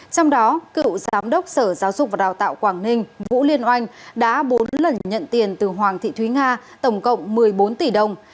trong đó cựu giám đốc sở giáo dục và đào tạo quảng ninh vũ liên oanh đã bốn lần nhận tiền từ hoàng thị thúy nga tổng cộng một mươi bốn tỷ đồng